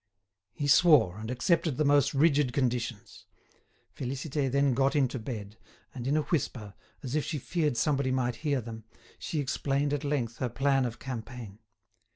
He swore, and accepted the most rigid conditions. Félicité then got into bed; and in a whisper, as if she feared somebody might hear them, she explained at length her plan of campaign.